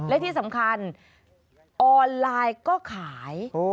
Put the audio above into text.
และที่สำคัญออนไลน์ก็ขาย